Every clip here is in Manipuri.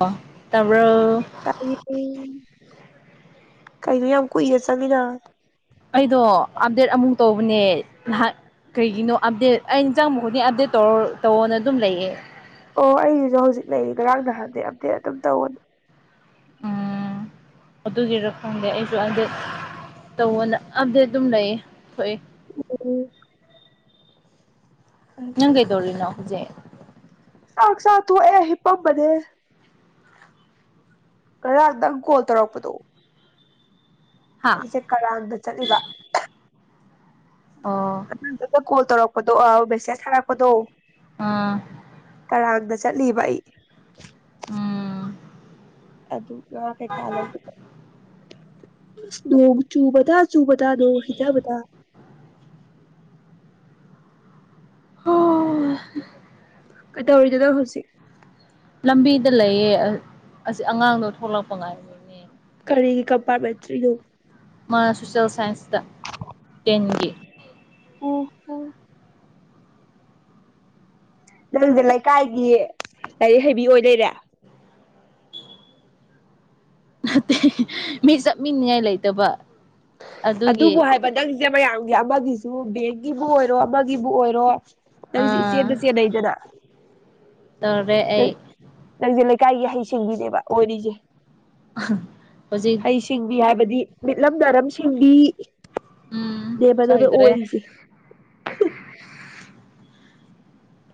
ꯑ ꯇ [unintelligible] ꯇꯌꯦ ꯀꯩꯅꯣ ꯌꯥꯝ ꯀꯨꯏꯅ ꯆꯡꯉꯤꯅ ꯑꯩꯗꯣ ꯑꯞꯗꯦꯠ ꯑꯃꯨꯛ ꯇꯧꯕꯅꯦ ꯉꯍꯥꯛ ꯀꯩꯒꯤꯅꯣ ꯑꯞꯗꯦꯠ ꯑꯩ ꯆꯡꯕ ꯈꯨꯗꯤꯡ ꯑꯞꯗꯦꯠ ꯇꯧꯔ ꯇꯧꯑꯣꯅ ꯑꯗꯨꯝ ꯂꯩꯌꯦ ꯑꯣ ꯑꯩꯁꯤꯁꯨ ꯍꯧꯖꯤꯛ ꯂꯩ ꯉꯔꯥꯡ ꯅꯍꯥꯟꯗꯩ ꯑꯞꯗꯦꯠ ꯑꯗꯨꯝ ꯇꯧꯅ ꯎꯝ ꯑꯗꯨꯒꯤꯔ ꯈꯪꯗꯦ ꯑꯩꯁꯨ ꯑꯞꯗꯦꯠ ꯇꯧꯑꯣꯅ ꯑꯞꯗꯦꯠ ꯑꯗꯨꯝ ꯂꯩꯌꯦ ꯊꯣꯛꯏ ꯎꯝ ꯐꯔꯦ ꯅꯪ ꯀꯩꯗꯧꯔꯤꯅꯣ ꯍꯧꯖꯦꯛ ꯆꯛ ꯆꯥ ꯇꯣꯛꯑꯦ ꯍꯤꯞꯄꯝꯕꯅꯦ ꯉꯔꯥꯡ ꯅꯪ ꯀꯣꯜ ꯇꯧꯔꯛꯄꯗꯣ ꯍꯥ ꯑꯩꯁꯦ ꯀꯔꯥꯡꯗ ꯆꯠꯂꯤꯕ ꯑꯣ ꯅꯪ ꯀꯣꯜ ꯇꯧꯔꯛꯄꯗꯣ ꯑ ꯃꯦꯁꯦꯁ ꯊꯔꯛꯄꯗꯣ ꯎꯝ ꯀꯔꯥꯡꯗ ꯆꯠꯂꯤꯕ ꯑꯩ ꯎꯝ ꯑꯗꯨꯒ ꯀꯩꯀꯥ ꯂꯧꯕ ꯆꯠꯂꯤ ꯅꯣꯡ ꯆꯨꯕꯗ ꯆꯨꯕꯗꯥ ꯅꯣꯡ ꯍꯩꯙꯥꯕꯗ ꯑꯥ ꯀꯩꯗꯧꯔꯤꯅꯣ ꯅꯪ ꯍꯧꯖꯤꯛ ꯂꯝꯕꯤꯗ ꯂꯩꯌꯦ ꯑꯁꯤ ꯑꯉꯥꯡꯗꯣ ꯊꯣꯛꯂꯛꯄ ꯉꯥꯔꯤꯝꯅꯦ ꯀꯔꯤꯒꯤ ꯀꯝꯄꯠꯃꯦꯟꯇ꯭ꯔꯤꯅꯣ ꯃꯥ ꯁꯣꯁꯦꯜ ꯁꯥꯏꯟꯁꯇ ꯇꯦꯟꯒꯤ ꯑꯣ ꯍꯣ ꯅꯪꯁꯦ ꯂꯩꯀꯥꯏꯒꯤ ꯂꯥꯏꯔꯤꯛ ꯍꯩꯕꯤ ꯑꯣꯏ ꯂꯩꯔꯦ ꯅꯠꯇꯦ ꯃꯤ ꯆꯞꯃꯤꯅꯤꯉꯥꯏ ꯂꯩꯇꯕ ꯑꯗꯨꯒꯤ ꯑꯗꯨꯕꯨ ꯍꯥꯏꯕ ꯅꯪꯁꯦ ꯃꯌꯥꯝꯒꯤ ꯑꯃꯒꯤꯁꯨ ꯕꯦꯡꯀꯤꯕꯨ ꯑꯣꯏꯔꯣ ꯑꯃꯒꯤꯕꯨ ꯑꯣꯏꯔꯣ ꯅꯪꯁꯦ ꯑꯥ ꯏꯆꯦꯗ ꯆꯦꯟꯅꯩꯗꯅ ꯇꯧꯔꯦ ꯑꯩ ꯅꯪꯁꯦ ꯂꯩ ꯂꯩꯀꯥꯏꯒꯤ ꯍꯩ ꯁꯤꯡꯕꯤꯅꯦꯕ ꯑꯣꯏꯔꯤꯁꯦ ꯍꯧꯖꯤꯛ ꯍꯩꯁꯤꯡꯕꯤ ꯍꯥꯏꯕꯗꯤ ꯃꯤꯠꯂꯝ ꯅꯔꯝꯁꯤꯡꯕꯤ ꯅꯦꯕ ꯅꯪꯅ ꯆꯥꯏꯗ꯭ꯔꯦ ꯑꯣꯏꯔꯤꯁꯤ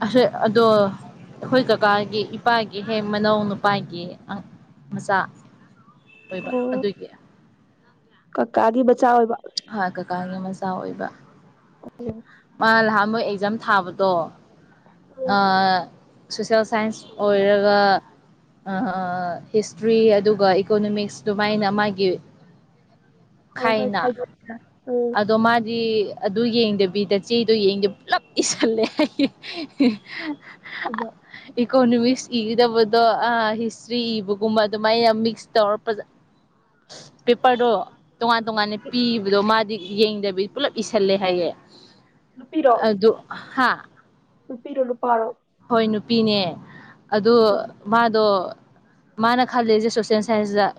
ꯑꯁꯦ ꯑꯗꯣ ꯑꯩꯈꯣꯏ ꯀꯥꯀꯥꯒꯤ ꯏꯄꯥꯒꯤ ꯍꯦꯛ ꯃꯅꯥꯎ ꯅꯨꯄꯥꯒꯤ ꯃꯆꯥ ꯑꯣꯏꯕ ꯑꯣ ꯑꯗꯨꯒꯤ ꯀꯀꯥꯒꯤ ꯃꯠ ꯍꯣꯏ ꯀꯥꯀꯥꯒꯤ ꯃꯆꯥ ꯑꯣꯏꯕ ꯃꯥ ꯂꯍꯥꯟꯃꯨꯛ ꯑꯦꯛꯖꯥꯝ ꯊꯥꯕꯗꯣ ꯎꯝ ꯑꯥ ꯁꯣꯁꯤꯌꯦꯜ ꯁꯥꯏꯟꯁ ꯑꯣꯏꯔꯒ ꯑꯥ ꯍꯤꯁꯇ꯭ꯔꯤ ꯑꯗꯨꯒ ꯏꯀꯣꯅꯣꯃꯤꯛꯁꯇꯨ ꯑꯗꯨꯃꯥꯏꯅ ꯃꯥꯒꯤ ꯍꯣꯏ ꯍꯣꯏ ꯈꯥꯏꯅ ꯈꯥꯏꯗꯣꯛꯏꯗꯅ ꯎꯝ ꯑꯗꯣ ꯃꯥꯗꯤ ꯑꯗꯨ ꯌꯦꯡꯗꯕꯤꯗ ꯆꯦꯗꯣ ꯌꯦꯡꯗꯕꯤ ꯄꯨꯂꯞ ꯏꯁꯜꯂꯦ ꯍꯥꯢ ꯍꯦ ꯍ ꯍ ꯗꯨꯕ ꯏꯀꯣꯅꯣꯃꯤꯛꯁ ꯏꯒꯗꯕꯗꯣ ꯑꯥ ꯍꯤꯁꯇ꯭ꯔꯤ ꯏꯕꯒꯨꯝꯕ ꯑꯗꯨꯃꯥꯏꯅ ꯃꯤꯛꯁ ꯇꯧꯔ ꯐꯖ ꯄꯦꯄꯔꯗꯣ ꯇꯣꯉꯥꯟ ꯇꯣꯉꯥꯟꯅ ꯄꯤꯕꯗꯣ ꯃꯥꯗꯤ ꯌꯦꯡꯗꯕꯤ ꯄꯨꯜꯂꯞ ꯏꯁꯜꯂꯦ ꯍꯥꯏꯌꯦ ꯅꯨꯄꯤꯔꯣ ꯑꯗꯨ ꯍꯥ ꯅꯨꯄꯤꯔꯣ ꯅꯨꯄꯥꯔꯣ ꯄꯤꯅꯦ ꯑꯗꯨ ꯃꯥꯗꯣ ꯃꯥꯅ ꯈꯜꯂꯤꯁꯦ ꯁꯣꯁꯦꯟ ꯁꯥꯏꯟꯁꯇ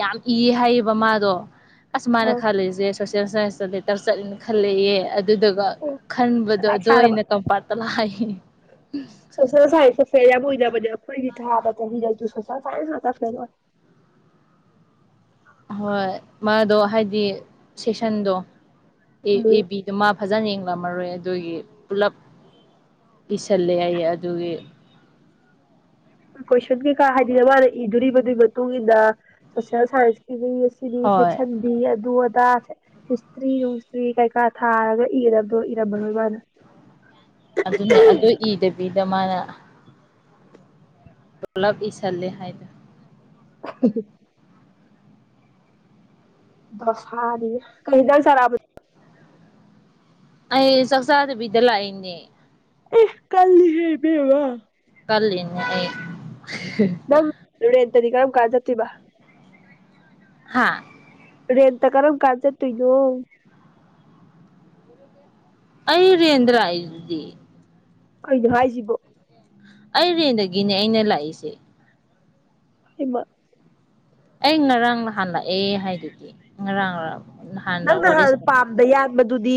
ꯌꯥꯝ ꯏ ꯍꯥꯏꯌꯦꯕ ꯃꯥꯗꯣ ꯑꯁ ꯃꯥꯅ ꯑꯥ ꯈꯜꯂꯤꯁꯦ ꯁꯣꯁꯦꯜ ꯁꯥꯏꯟꯁꯇ ꯂꯦꯇꯔ ꯆꯠꯂꯅꯤ ꯈꯜꯂꯦꯌꯦ ꯑꯗꯨꯗꯨꯒ ꯑꯣ ꯈꯟꯕꯗꯣ ꯁꯂꯥꯛ ꯑꯗꯣ ꯑꯣꯢꯅ ꯀꯝꯄꯥꯔꯠꯇ ꯂꯥꯛꯢ [unintelligible] ꯁꯣꯁꯤꯌꯦꯜ ꯁꯥꯥꯏꯟꯁꯇ ꯐꯦꯜ ꯌꯥꯝ ꯑꯣꯢꯅꯕꯅꯦ ꯑꯩꯈꯣꯢꯒꯤ ꯊꯥꯕ ꯆꯍꯤꯗꯁꯨ ꯁꯣꯁꯤꯌꯦꯜ ꯁꯥꯢꯟꯁ ꯉꯥꯛꯇ ꯐꯦꯜ ꯑꯣꯢ ꯍꯣꯏ ꯃꯥꯗꯣ ꯍꯥꯏꯗꯤ ꯁꯦꯛꯁꯟꯗꯣ ꯑꯦ ꯎꯝ ꯑꯦ ꯕꯤꯗ ꯃꯥ ꯐꯖꯟ ꯌꯦꯡꯂꯝꯃꯔꯣꯏ ꯑꯗꯨꯒꯤ ꯄꯨꯂꯞ ꯏꯁꯜꯂꯦ ꯍꯥꯢꯌꯦ ꯑꯗꯨꯒꯤ ꯀꯣꯏꯁꯟ ꯀꯩꯀꯥ ꯍꯥꯏꯗꯤ ꯃꯥꯅ ꯏꯗꯨꯔꯤꯕꯗꯨꯒꯤ ꯃꯇꯨꯡ ꯏꯟꯅ ꯁꯣꯁꯤꯌꯦꯜ ꯁꯥꯏꯟꯁꯀꯤꯗꯤ ꯁꯤꯅꯤ ꯍꯣꯏ ꯁꯦꯛꯁꯟ ꯕꯤ ꯑꯗꯨ ꯑꯗ ꯗ ꯍꯤꯁꯇ꯭ꯔꯤ ꯅꯨꯡꯁꯇ꯭ꯔꯤ ꯀꯩꯀꯥ ꯊꯥꯔꯒ ꯏꯔꯕꯗꯣ ꯏꯔꯝꯃꯔꯣꯏ ꯃꯥꯅ ꯑꯗꯨꯅꯦ ꯑꯗꯨ ꯏꯗꯕꯤꯗ ꯃꯥꯅ ꯄꯨꯂꯞ ꯏꯁꯜꯂꯦ ꯍꯥꯏꯗ [unintelligible] ꯗꯣꯁꯥꯅꯤꯍꯦ ꯀꯩ ꯍꯦꯟꯁꯥꯡ ꯆꯥꯔꯛꯑꯕ ꯑꯩ ꯆꯥꯛꯆꯥꯥꯗꯕꯤꯗ ꯂꯥꯛꯏꯅꯦ ꯑꯦ ꯀꯜꯂꯤꯍꯦ ꯢꯕꯦꯝꯃꯥ ꯀꯜꯂꯤꯅꯦ ꯑꯩ ꯅꯪ ꯔꯦꯟꯠꯇꯗꯤ ꯀꯔꯝꯀꯥꯟ ꯆꯠꯇꯨꯢꯕ ꯍꯥꯥ ꯔꯦꯟꯠ ꯇ ꯀꯔꯝ ꯀꯥꯟ ꯆꯠꯇꯨꯢꯅꯣ ꯑꯩ ꯔꯦꯟꯠꯗ ꯂꯥꯛꯢꯗꯨꯗꯤ ꯀꯩꯅꯣ ꯍꯥꯏꯖꯤꯕꯨ ꯑꯩ ꯔꯦꯟꯠꯗꯒꯤꯅꯦ ꯑꯩꯅ ꯂꯥꯛꯏꯁꯦ ꯍꯩꯃꯥ ꯑꯩ ꯉꯔꯥꯡ ꯅꯍꯥꯟ ꯂꯥꯛꯑꯦ ꯍꯥꯏꯗꯨꯗꯤ ꯉꯔꯥꯡꯔ ꯅꯍꯥꯟꯔ ꯅꯪ ꯋꯥꯔꯤ ꯅꯍꯥꯟ ꯁꯥꯟꯅ ꯄꯥꯝꯗ ꯌꯥꯟꯕꯗꯨꯗꯤ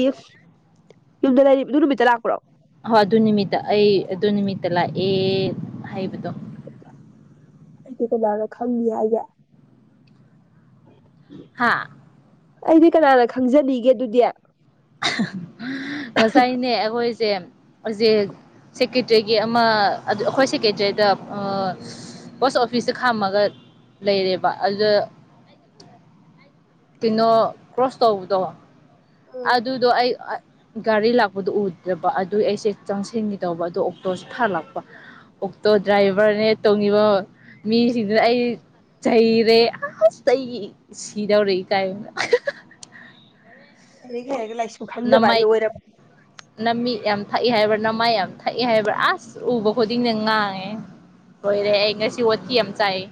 ꯌꯨꯝꯗ ꯂꯩꯔꯤ ꯑꯗꯨ ꯅꯨꯃꯤꯠꯇ ꯂꯥꯛꯄ꯭ꯔꯣ ꯍꯣꯏ ꯑꯗꯨ ꯅꯨꯃꯤꯠꯇ ꯑꯩ ꯑꯗꯨ ꯅꯨꯃꯤꯠꯇ ꯂꯥꯛꯑꯦ ꯍꯥꯏꯕꯗꯣ ꯑꯩꯗꯤ ꯀꯅꯥꯅ ꯈꯪꯅꯤ ꯍꯥꯏꯒꯦ ꯍꯥꯥ ꯑꯩꯗꯤ ꯀꯅꯥꯅ ꯈꯪꯖꯅꯤꯒꯦ ꯑꯗꯨꯗꯤ ꯑꯍꯍ ꯉꯁꯥꯏꯅꯦ ꯑꯩꯈꯣꯏꯁꯦ ꯍꯧꯖꯤꯛ ꯁꯦꯀꯦꯇ꯭ꯔꯤꯒꯤ ꯑꯃ ꯑꯗ ꯑꯩꯈꯣꯏ ꯁꯦꯀ꯭ꯔꯦꯇ꯭ꯔꯦꯠꯗ ꯑꯥ ꯄꯣꯁꯠ ꯑꯣꯐꯤꯁꯇ ꯈꯥꯝꯃꯒ ꯂꯩꯔꯦꯕ ꯑꯗꯨ ꯀꯩꯅꯣ ꯀ꯭ꯔꯣꯁ ꯇꯧꯕꯗꯣ ꯎꯝ ꯑꯗꯨꯗꯣ ꯑꯩ ꯒꯥꯔꯤ ꯂꯥꯛꯄꯗꯨ ꯎꯗꯕ ꯑꯗꯨꯏ ꯑꯩꯁꯦ ꯆꯪꯁꯤꯟꯈꯤꯗꯧꯕ ꯑꯗꯨ ꯑꯣꯛꯇꯣꯁꯦ ꯐꯠꯂꯥꯛꯄ ꯑꯣꯛꯇꯣ ꯗ꯭ꯔꯥꯏꯚꯔꯅꯦ ꯇꯣꯡꯉꯤꯕ ꯃꯤꯁꯤꯡꯗꯨ ꯑꯩ ꯆꯩꯔꯦ ꯑꯁ ꯑꯩ ꯁꯤꯗꯧꯔꯦ ꯏꯀꯥꯏꯕꯅ [unintelligible] ꯂꯥꯏꯔꯤꯛ ꯍꯩꯔꯒ ꯂꯥꯏꯁꯨ ꯈꯣꯗꯕ ꯅꯃꯥꯏ ꯍꯥꯏꯗꯣ ꯑꯣꯏꯔꯕ ꯅꯃꯤꯠ ꯌꯥꯝ ꯊꯛꯏ ꯍꯥꯏꯕ ꯅꯃꯥꯏ ꯌꯥꯝ ꯊꯛꯏ ꯍꯣꯢꯕ ꯑꯁ ꯎꯕ ꯈꯨꯗꯤꯡꯅ ꯉꯥꯡꯉꯦ ꯂꯣꯏꯔꯦ ꯑꯩ ꯉꯁꯤ ꯋꯊꯣ ꯌꯥꯝ ꯆꯥꯢꯌꯦ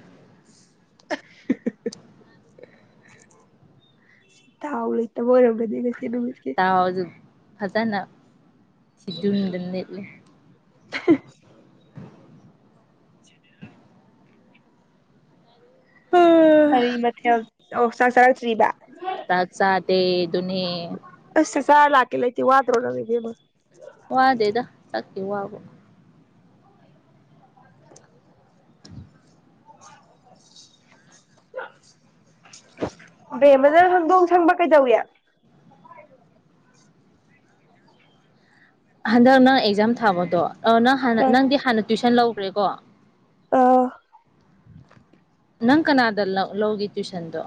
ꯁꯤ ꯊꯥꯎ ꯂꯩꯇꯕ ꯑꯣꯏꯔꯝꯒꯗꯤ ꯉꯁꯤ ꯅꯨꯃꯤꯠꯀꯤ ꯐꯖꯟꯅ [unintelligible] ꯅꯤꯠꯂꯦ [unintelligible] ꯀꯔꯤ ꯃꯊꯦꯜ ꯑꯧ ꯆꯥꯛ ꯆꯥꯔꯛꯇ꯭ꯔꯤꯕ ꯆꯥꯛ ꯆꯥꯗꯦ ꯑꯗꯨꯅꯦ ꯑꯁ ꯆꯥꯛ ꯆꯥꯔ ꯂꯥꯛꯀꯦ ꯂꯩꯇꯦ ꯋꯥꯗ꯭ꯔꯣ ꯅꯪ ꯏꯕꯦꯝꯃ ꯋꯥꯗꯦꯗ ꯆꯥꯛꯀꯤ ꯋꯥꯕꯨ [unintelligible] ꯕꯦꯝꯃ ꯅꯪ ꯍꯧꯗꯣꯡ ꯁꯪꯕ ꯀꯩꯗꯧꯏ ꯍꯟꯗꯛ ꯅꯪ ꯑꯦꯛꯖꯥꯝ ꯊꯥꯕꯗꯣ ꯑꯥ ꯅꯪ ꯍꯥꯟꯅ ꯅꯪꯗꯤ ꯍꯥꯟꯅ ꯇꯨꯏꯁꯟ ꯂꯧꯒ꯭ꯔꯦꯀꯣ ꯑꯥ ꯅꯪ ꯀꯅꯥꯗ ꯂꯥ ꯂꯧꯒꯦ ꯇꯨꯏꯁꯟꯗꯣ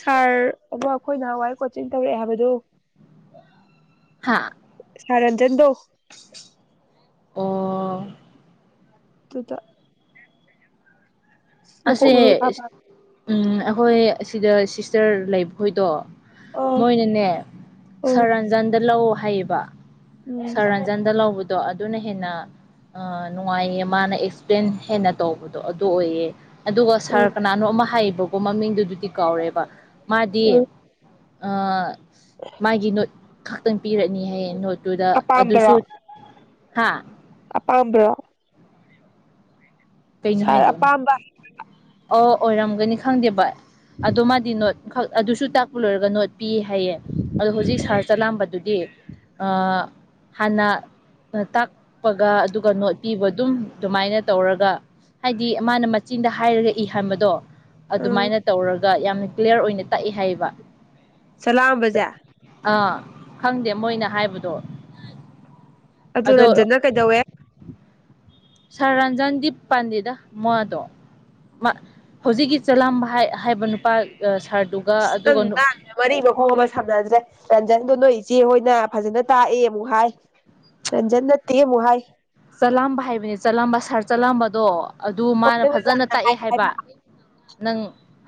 ꯁꯥꯔ ꯑꯃ ꯑꯩꯈꯣꯏ ꯅꯍꯥꯟꯋꯥꯏ ꯀꯣꯆꯤꯡ ꯇꯧꯔꯛꯑꯦ ꯍꯥꯏꯕꯗꯣ ꯍꯥꯥ ꯁꯥꯔ ꯔꯟꯖꯟꯗꯣ ꯑꯣ ꯗꯨꯇ ꯃꯀꯣꯛ ꯑꯁꯦ ꯃꯔꯨ ꯏꯐꯥ ꯐꯥꯒꯩ ꯎꯝ ꯑꯩꯈꯣꯏ ꯑꯁꯤꯗ ꯁꯤꯁꯇꯔ ꯂꯩꯕꯈꯣꯏꯗꯣ ꯑꯣ ꯃꯣꯏꯅꯅꯦ ꯑꯣ ꯁꯔ ꯔꯟꯖꯟꯗ ꯂꯧ ꯍꯥꯏꯌꯦꯕ ꯎꯝ ꯁꯔ ꯔꯟꯖꯟꯗ ꯂꯩꯕ ꯑꯗꯣ ꯑꯗꯨꯅ ꯍꯦꯟꯅ ꯑ ꯅꯨꯡꯉꯥꯏꯌꯦ ꯃꯥꯅ ꯑꯦꯛꯁꯄ꯭ꯂꯦꯟ ꯍꯦꯟꯅ ꯇꯧꯕꯗꯣ ꯑꯗꯨ ꯑꯣꯏꯌꯦ ꯑꯗꯨꯒ ꯁꯥꯔ ꯎꯝ ꯀꯅꯥꯅꯣ ꯑꯃ ꯍꯥꯏꯌꯦꯕꯀꯣ ꯃꯃꯤꯡꯗꯨꯕꯨꯗꯤ ꯀꯥꯎꯔꯦꯕ ꯃꯥꯗꯤ ꯎꯝ ꯑꯥ ꯃꯥꯒꯤ ꯅꯣꯠ ꯈꯛꯇꯪ ꯄꯤꯔꯛꯅꯤ ꯍꯥꯏꯌꯦ ꯅꯣꯠ ꯑꯗꯨꯗ ꯑꯗꯨꯁꯨ ꯑꯄꯥꯝꯕꯔꯣ ꯍꯥꯥ ꯑꯄꯥꯝꯕꯔꯣ ꯀꯩꯅꯣ ꯁꯥꯔ ꯍꯥꯏꯗꯣ ꯑꯄꯥꯝꯕ ꯑꯣ ꯑꯣꯏꯔꯝꯒꯅꯤ ꯈꯪꯗꯦꯕ ꯑꯗꯣ ꯃꯥꯗꯤ ꯅꯣꯠꯈꯛ ꯑꯗꯨꯁꯨ ꯇꯥꯛꯄ ꯂꯣꯏꯔꯒ ꯅꯣꯠ ꯄꯤ ꯍꯥꯏꯌꯦ ꯑꯗꯣ ꯍꯧꯖꯤꯛ ꯁꯥꯔ ꯆꯂꯥꯝꯕꯗꯨꯗꯤ ꯑꯥ ꯍꯥꯟꯅ ꯇꯥꯛꯄꯒ ꯑꯗꯨꯒ ꯅꯣꯠꯄꯤꯕ ꯑꯗꯨꯝ ꯑꯗꯨꯃꯥꯏꯅ ꯇꯧꯔꯒ ꯍꯥꯏꯗꯤ ꯃꯥꯅ ꯃꯆꯤꯟꯗ ꯍꯥꯏꯔꯒ ꯏꯍꯟꯕꯗꯣ ꯎꯝ ꯑꯗꯨꯃꯥꯏꯅ ꯇꯧꯔꯒ ꯌꯥꯝꯅ ꯀ꯭ꯂꯤꯌꯥꯔ ꯑꯣꯏꯅ ꯇꯥꯛꯏ ꯍꯥꯏꯌꯦꯕ ꯆꯥꯂꯥꯝꯕꯖꯦ ꯑꯥ ꯈꯪꯗꯦ ꯃꯣꯏꯅ ꯍꯥꯏꯕꯗꯣ ꯑꯗꯨ ꯑꯗꯣ ꯔꯟꯖꯟꯅ ꯀꯩꯗꯧꯋꯦ ꯁꯥꯔ ꯔꯟꯖꯟꯗꯤ ꯄꯟꯗꯦꯗ ꯃꯗꯣ ꯃꯥ ꯍꯧꯖꯤꯛꯀꯤ ꯆꯂꯥꯝꯕ ꯍꯥꯏ ꯍꯥꯏꯕ ꯅꯨꯄꯥ ꯑꯥ ꯁꯥꯔ ꯅꯪ ꯉꯥꯡꯂꯤꯗꯣ ꯃꯔꯤ ꯃꯈꯣꯡ ꯑꯃ ꯁꯝꯅꯗ꯭ꯔꯦ ꯔꯟꯖꯟꯗꯣ ꯅꯣꯏ ꯏꯆꯦ ꯍꯣꯏꯅ ꯐꯖꯅ ꯇꯥꯛꯑꯦ ꯑꯃꯨꯛ ꯍꯥꯏ ꯔꯟꯖꯟ ꯅꯠꯇꯦ ꯑꯃꯨꯛ ꯍꯥꯏ ꯆꯥꯂꯥꯝꯕ ꯍꯥꯏꯕꯅꯤ ꯆꯥꯂꯥꯝꯕ ꯁꯥꯔ ꯆꯥꯂꯥꯝꯕꯗꯣ ꯑꯗꯨ ꯍꯣꯏ ꯃꯥꯅ ꯅꯪꯅ ꯐꯖꯅ ꯂꯥꯟꯅ ꯇꯥꯛꯑꯦ ꯍꯥꯏꯔꯦ ꯍꯥꯏꯕ ꯅꯪ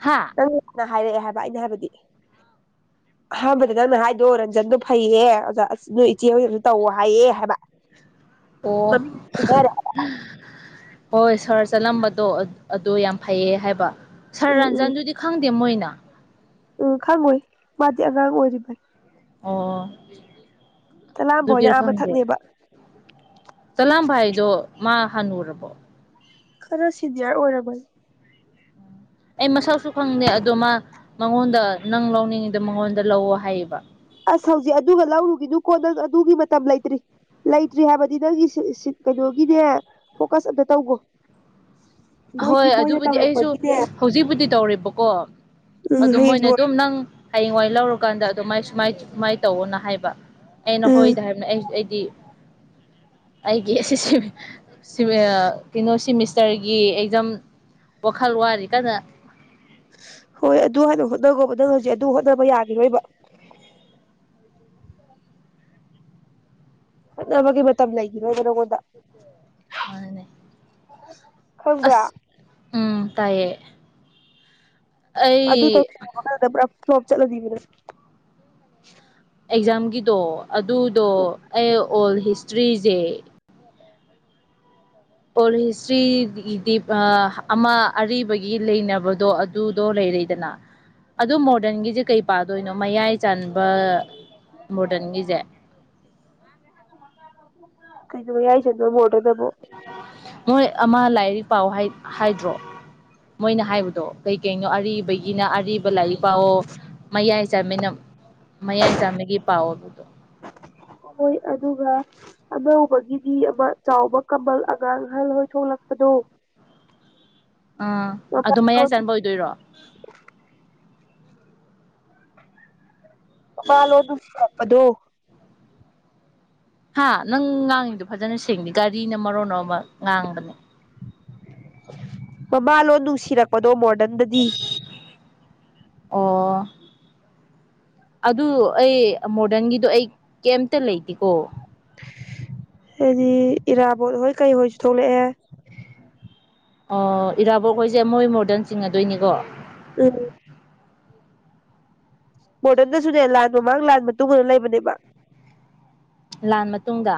ꯍꯥ ꯅꯪꯅ ꯍꯥꯏꯔꯛꯑꯦ ꯍꯥꯏꯕ ꯑꯩꯅ ꯍꯥꯏꯕꯗꯤ [inaudible] ꯑꯍꯥꯟꯕꯗ ꯅꯪꯅ ꯍꯥꯏꯗꯣ ꯔꯟꯖꯟꯗꯣ ꯐꯩꯌꯦ ꯑꯣꯖꯥ ꯑꯁ ꯅꯣꯏ ꯏꯆꯦ ꯍꯣꯏꯅ ꯇꯧꯋꯣ ꯍꯥꯏꯌꯦ ꯍꯥꯏꯕ ꯑꯣ ꯃꯃꯤꯡ ꯈꯪꯅꯔꯦ ꯍꯣꯏ ꯁꯥꯔ ꯆꯂꯥꯝꯕꯗꯣ ꯑꯗꯣ ꯌꯥꯝ ꯐꯩꯌꯦ ꯍꯥꯏꯕ ꯁꯥꯔ ꯎꯝ ꯎꯝ ꯔꯟꯖꯟꯗꯨꯗꯤ ꯈꯪ ꯃꯣꯏꯅ ꯎꯝ ꯈꯪꯉꯣꯏ ꯃꯥꯗꯤ ꯑꯉꯥꯡ ꯑꯣꯏꯔꯤꯕꯅꯤ ꯑꯣ ꯇꯂꯥꯝꯕ ꯍꯣꯏꯅ ꯑꯗꯨꯒꯤꯔ ꯑꯥ ꯈꯪꯗꯦ ꯃꯊꯛꯅꯦꯕ ꯆꯂꯥꯝꯕ ꯍꯥꯏꯗꯣ ꯃꯥ ꯍꯅꯨꯔꯕꯣ ꯈꯔꯥ ꯁꯤꯅꯤꯌꯔ ꯑꯣꯔꯕꯅꯦ ꯑꯩ ꯃꯁꯛꯁꯨ ꯈꯪꯗꯦ ꯑꯗꯣ ꯃꯥ ꯃꯉꯣꯟꯗ ꯅꯪ ꯂꯧꯅꯤꯡꯉꯤꯗ ꯃꯉꯣꯟꯗ ꯂꯧꯑꯣ ꯍꯥꯏꯌꯦꯕ ꯑꯁ ꯍꯧꯖꯤꯛ ꯑꯗꯨꯒ ꯂꯧꯔꯨꯒꯤꯅꯨꯀꯣ ꯅꯪ ꯑꯗꯨꯒꯤ ꯃꯇꯝ ꯂꯩꯇ꯭ꯔꯤ ꯂꯩꯇ꯭ꯔꯤ ꯍꯥꯏꯕꯗꯤ ꯅꯪꯒꯤ ꯁꯤ ꯁꯤꯠ ꯀꯩꯅꯣꯒꯤꯅꯦ ꯐꯣꯀꯁ ꯑꯝꯇ ꯇꯧꯒꯣ ꯍꯣꯏ ꯑꯗꯨꯕꯨꯗꯤ ꯑꯩꯁꯨ ꯍꯧꯖꯤꯛꯄꯨꯗꯤ ꯇꯧꯔꯤꯕꯀꯣ ꯎꯝ ꯑꯗꯨ ꯍꯌꯦꯡ ꯃꯣꯏꯅ ꯂꯣꯏ ꯑꯗꯨꯝ ꯅꯪ ꯍꯌꯦꯡꯋꯥꯏ ꯂꯧꯔꯨꯀꯥꯟꯗ ꯑꯗꯨꯃꯥꯏ ꯁꯨꯃꯥꯏ ꯁꯨꯃꯥꯏꯅ ꯇꯧꯑꯣꯅ ꯍꯥꯏꯕ ꯑꯩ ꯎꯝ ꯅꯈꯣꯏꯗ ꯍꯥꯏꯕꯅꯤ ꯑꯩ ꯑꯩꯗꯤ ꯑꯩꯒꯤ ꯑꯁꯤꯁꯤ ꯁꯤꯃꯤꯌꯥ ꯀꯩꯅꯣ ꯁꯤꯃꯤꯁꯇꯔꯒꯤ ꯖꯝ ꯋꯥꯈꯜ ꯋꯥꯔꯤ ꯀꯟꯅ ꯍꯣꯏ ꯑꯗꯨ ꯍꯥꯟꯅ ꯍꯣꯠꯅꯈꯕ ꯅꯪ ꯍꯧꯖꯤꯛ ꯑꯗꯨ ꯍꯣꯠꯅꯕ ꯌꯥꯈꯤꯔꯣꯏꯕ ꯍꯣꯠꯅꯕꯒꯤ ꯃꯇꯝ ꯂꯩꯈꯤꯔꯣꯏꯕ ꯅꯪꯉꯣꯟꯗ ꯃꯥꯅꯅꯦ ꯈꯪꯕ꯭ꯔ ꯎꯝ ꯇꯥꯏꯌꯦ ꯑꯗꯨ ꯑꯩ ꯇꯧꯁꯤꯜꯂꯨꯕ ꯀꯥꯟꯗ ꯄꯨꯔꯥ ꯐꯂꯣꯞ ꯆꯠꯂꯅꯤꯕ ꯅꯪ ꯑꯦꯛꯖꯥꯝꯒꯤꯗꯣ ꯑꯗꯨꯗꯣ ꯑꯩ ꯑꯣꯜ ꯍꯤꯁꯇ꯭ꯔꯤꯖꯦ ꯑꯣꯜ ꯍꯤꯁꯇ꯭ꯔꯤꯗꯤ ꯏꯗꯤꯕ ꯑꯃ ꯑꯔꯤꯕꯒꯤ ꯂꯩꯅꯕꯗꯣ ꯑꯗꯨꯗꯣ ꯂꯩ ꯂꯩꯗꯅ ꯑꯗꯨ ꯃꯣꯗꯔꯟꯒꯤꯁꯦ ꯀꯩ ꯄꯥꯗꯣꯏꯅꯣ ꯃꯌꯥꯏ ꯆꯥꯟꯕ ꯃꯣꯗꯔꯟꯒꯤꯖꯦ ꯀꯩꯅꯣꯌꯥꯢ ꯆꯟꯕ ꯕ꯭ꯣꯔꯗ ꯃꯣꯏ ꯑꯃ ꯂꯥꯏꯔꯤꯛ ꯄꯥꯎ ꯍꯥꯢ ꯍꯥꯏꯗ꯭ꯔꯣ ꯃꯣꯏꯅ ꯍꯥꯏꯕꯗꯣ ꯀꯩ ꯀꯩꯅꯣ ꯑꯔꯤꯕꯒꯤꯅ ꯑꯔꯤꯕ ꯂꯥꯏꯔꯤꯛ ꯄꯥꯛꯑꯣ ꯃꯌꯥꯏ ꯆꯥꯃꯤꯅ ꯃꯌꯥꯏ ꯆꯥꯃꯤꯒꯤ ꯄꯥꯎꯕꯗꯣ ꯍꯣꯏ ꯑꯗꯨꯒ ꯑꯅꯧꯕꯒꯤꯗꯤ ꯑꯃ ꯆꯥꯎꯕ ꯀꯃꯜ ꯑꯉꯥꯡ ꯑꯍꯜ ꯍꯣꯏ ꯁꯣꯛꯂꯛꯄꯗꯣ ꯑ ꯑꯗꯨ ꯃꯌꯥꯏ ꯆꯟꯕ ꯑꯣꯏꯗꯣꯏꯔꯣ ꯃꯥꯃꯂꯣ ꯅꯨꯡꯁꯤꯔꯛꯄꯗꯣ ꯍꯥ ꯅꯪ ꯉꯥꯡꯉꯤꯗꯣ ꯐꯖꯅ ꯁꯦꯡꯗꯦ ꯒꯥꯔꯤꯅ ꯃꯔꯣꯟ ꯃꯔ ꯑꯃ ꯉꯥꯡꯕꯅꯦ ꯃꯃꯥꯂꯣꯟ ꯅꯨꯡꯁꯤꯔꯛꯄꯗꯣ ꯃꯣꯗꯔꯟꯗꯗꯤ ꯑꯣ ꯑꯗꯨ ꯑꯩ ꯃꯣꯗꯟꯒꯤꯗꯣ ꯑꯩ ꯀꯦꯝꯇ ꯂꯩꯇꯦ ꯑꯣ ꯗꯤ ꯏꯔꯥꯕꯣꯠ ꯍꯣꯏ ꯀꯩ ꯍꯣꯏꯁꯨ ꯊꯣꯛꯂꯛꯑꯦ ꯑꯣ ꯏꯔꯥꯕꯣꯛꯈꯣꯏꯁꯦ ꯃꯣꯏ ꯃꯣꯔꯗꯟ ꯆꯤꯡꯉꯗꯣꯏꯅꯤꯀꯣ ꯑꯝ ꯃꯣꯗꯔꯟꯗꯁꯨꯅꯦ ꯂꯥꯟ ꯃꯃꯥꯡ ꯂꯥꯟꯕ ꯃꯇꯨꯡꯟꯅ ꯂꯩꯕꯅꯦꯕ ꯂꯥꯟ ꯃꯇꯨꯡꯗ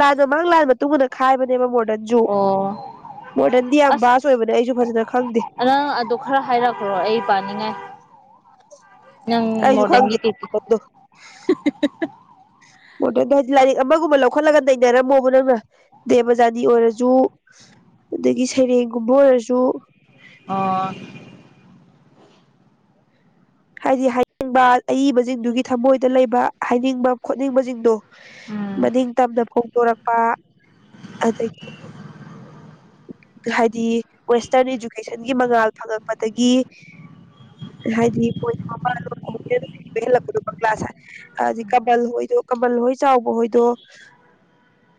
ꯂꯥꯟꯗꯣ ꯃꯥꯡ ꯂꯥꯟ ꯃꯇꯨꯡꯗ ꯈꯥꯏꯕꯅꯦꯕ ꯃꯣꯔ ꯑꯣ ꯌꯥꯝ ꯑꯁ ꯚꯥꯁ ꯑꯣꯏꯕꯅꯦ ꯑꯩꯁꯨ ꯐꯖꯅ ꯈꯪꯗꯦ ꯅꯪ ꯑꯗꯨ ꯈꯔ ꯍꯥꯏꯔꯛꯈ꯭ꯔꯣ ꯑꯩ ꯄꯥꯅꯤꯡꯉꯥꯏ ꯅꯪ ꯑꯩꯁꯨ ꯃꯣꯔꯗꯟꯒꯤ ꯈꯪꯗꯦ ꯀꯩꯀꯩ ꯃꯣꯗꯔꯟꯗꯣ ꯃꯣꯗꯟꯗ ꯍꯥꯏꯗꯤ ꯂꯥꯏꯔꯤꯛ ꯑꯃꯒꯨꯝꯕ ꯂꯧꯈꯠꯂꯒ ꯅꯩꯅꯔꯝꯃꯣꯕ ꯅꯪꯅ ꯗꯦꯕꯖꯥꯅꯤ ꯑꯣꯏꯔꯁꯨ ꯑꯗꯒꯤ ꯁꯩꯔꯦꯡꯒꯨꯝꯕ ꯑꯣꯏꯔꯁꯨ ꯑꯣ ꯍꯥꯏꯗꯤ ꯍꯥꯏꯅꯤꯡꯕ ꯑꯏꯕꯁꯤꯡꯗꯨꯒꯤ ꯊꯃꯣꯏꯗ ꯂꯩꯕ ꯍꯥꯏꯅꯤꯡꯕ ꯈꯣꯠꯅꯤꯡꯕꯁꯤꯡꯗꯣ ꯎꯝ ꯃꯅꯤꯡ ꯇꯝꯅ ꯐꯣꯡꯗꯣꯔꯛꯄ ꯑꯗꯒꯤ ꯍꯥꯏꯗꯤ ꯋꯦꯁꯇꯔꯟ ꯏꯗꯨꯀꯦꯁꯟꯒꯤ ꯃꯉꯥꯜ ꯐꯪꯉꯛꯄꯗꯒꯤ ꯍꯥꯏꯗꯤ [unintelligible] ꯀ꯭ꯂꯥꯁ ꯍꯥꯏꯗꯤ ꯀꯃꯜ ꯍꯣꯏꯗꯣ ꯀꯃꯜ ꯍꯣꯏ ꯆꯥꯎꯕ ꯍꯣꯏꯗꯣ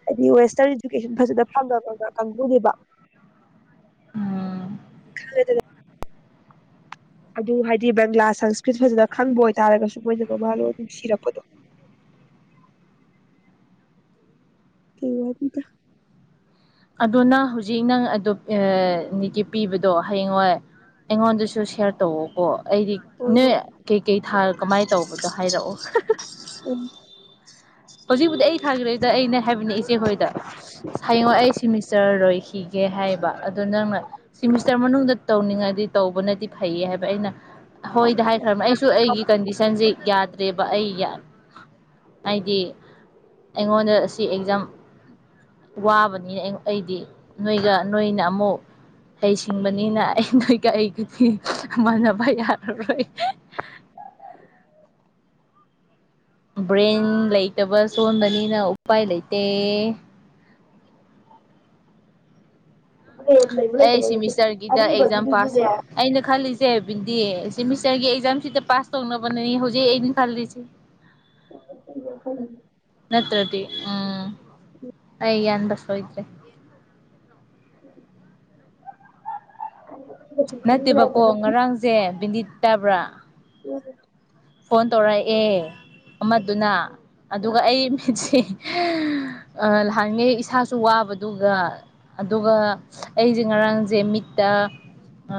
ꯍꯥꯏꯗꯤ ꯋꯦꯁꯇꯔꯟ ꯏꯗꯨꯀꯦꯁꯟ ꯐꯖꯅ ꯐꯪꯉꯕ ꯀꯥꯡꯕꯨꯅꯦꯕ ꯎꯝ ꯈꯪꯗꯦ ꯑꯗꯨ ꯍꯥꯏꯗꯤ ꯕꯪꯒ꯭ꯂꯥ ꯁꯪꯁꯀ꯭ꯔꯤꯠ ꯐꯖꯅ ꯈꯪꯕ ꯑꯣꯏꯇꯥꯥꯔꯒꯁꯨ ꯃꯣꯏꯅ ꯃꯃꯥ ꯂꯣꯟ ꯅꯨꯡꯁꯤꯔꯛꯄꯗꯣ [inaudible] [unintelligible] ꯑꯗꯨ ꯅꯪ ꯍꯧꯖꯤꯛ ꯅꯪ ꯑꯗꯨ ꯅꯤꯠꯀꯤ ꯄꯤꯕꯗꯣ ꯍꯌꯦꯡꯋꯥꯏ ꯑꯩꯉꯣꯟꯗꯁꯨ ꯁꯤꯌꯥꯔ ꯇꯧꯋꯣꯀꯣ ꯑꯩꯗꯤ ꯍꯣꯏ ꯅꯣꯏ ꯍꯣꯏ ꯀꯩꯀꯩ ꯊꯥ ꯀꯃꯥꯏꯅ ꯇꯧꯕꯗꯣ ꯍꯥꯏꯔꯛꯑꯣ ꯎꯝ ꯍꯧꯖꯤꯛꯄꯨꯗꯤ ꯑꯩ ꯊꯥꯈꯤꯔꯣꯏꯗ ꯑꯩꯅ ꯍꯥꯏꯕꯅꯤ ꯏꯆꯦ ꯍꯣꯏꯗ ꯍꯌꯦꯡꯋꯥꯢ ꯑꯩ ꯁꯤꯃꯤꯁꯇꯔ ꯂꯣꯏꯈꯤꯒꯦ ꯍꯥꯏ ꯍꯥꯏꯕ ꯑꯗꯣ ꯅꯪꯅ ꯁꯤꯃꯤꯁꯇꯔ ꯃꯅꯨꯡꯗ ꯇꯧꯅꯤꯡꯉꯗꯤ ꯇꯧꯕꯅꯗꯤ ꯐꯩꯌꯦ ꯍꯥꯏꯕ ꯑꯩꯅ ꯍꯣꯏꯗꯤ ꯍꯥꯏꯈ꯭ꯔꯃꯦ ꯑꯩꯁꯨ ꯑꯩꯒꯤ ꯀꯟꯗꯤꯁꯟꯁꯦ ꯌꯥꯗ꯭ꯔꯦ ꯕ ꯑꯩ ꯍꯥꯏꯗꯤ ꯑꯩꯉꯣꯟꯗ ꯁꯤ ꯑꯦꯛꯖꯥꯝ ꯋꯥꯕꯅꯤ [unintelligible] ꯑꯩꯗꯤ ꯅꯣꯏꯒ ꯅꯣꯏꯅ ꯑꯃꯨꯛ ꯍꯩꯁꯤꯡꯕꯅꯤꯅ ꯑꯩ ꯅꯣꯏꯒ ꯑꯩꯒꯗꯤ ꯃꯥꯟꯅꯕ ꯌꯥꯔꯔꯣꯏ [unintelligible] ꯕ꯭ꯔꯦꯟ ꯂꯩꯇꯕ ꯁꯣꯟꯕꯅꯤꯅ ꯎꯄꯥꯏ ꯂꯩꯇꯦ ꯂꯩꯕ ꯑꯩ ꯂꯩꯇꯕ ꯀꯩꯁꯨ ꯁꯤꯃꯤꯁꯇꯔꯒꯤꯗ ꯑꯦꯛꯖꯥꯝ ꯄꯥꯁ ꯑꯩꯅ ꯈꯜꯂꯤꯁꯦ [unintelligible] ꯁꯤꯃꯤꯁꯇꯔꯒꯤ ꯑꯦꯛꯖꯥꯝꯁꯤꯗ ꯄꯥꯁ ꯇꯧꯅꯕꯅꯦ ꯍꯧꯖꯤꯛ ꯑꯩꯅ ꯈꯜꯂꯤꯁꯦ [unintelligible] ꯅꯠꯇ꯭ꯔꯗꯤ ꯎꯝ [unintelligible] [unintelligible] ꯁꯣꯏꯗ꯭ꯔꯦ ꯅꯠꯇꯦꯕꯀꯣ ꯉꯔꯥꯡꯁꯦ ꯕꯤꯗꯤꯠ ꯇꯥꯕ꯭ꯔꯥ [unintelligible] ꯐꯣꯟ ꯇꯧꯔꯛꯑꯦ ꯑꯃꯗꯨꯅ ꯑꯗꯨꯒ ꯑꯩ ꯃꯤꯠꯁꯦ ꯂꯍꯥꯟꯒꯩ ꯏꯁꯥꯁꯨ ꯋꯥꯕꯗꯨꯒ ꯑꯗꯨꯒ ꯑꯩꯁꯦ ꯉꯔꯥꯡꯖꯦ ꯃꯤꯠ ꯇ ꯑ